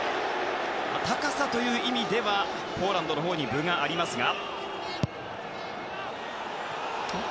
高さという意味ではポーランドのほうに分がありますが。